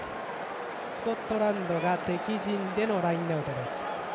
スコットランドが敵陣でのラインアウトです。